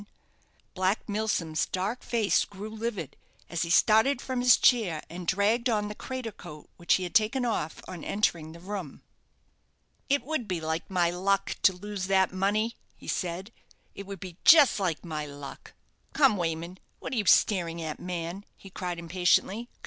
Black Milsom's dark face grew livid, as he started from his chair and dragged on the crater coat which he had taken off on entering the room. "It would be like my luck to lose that money," he said; "it would be just like my luck. Come, Wayman. What are you staring at, man?" he cried impatiently.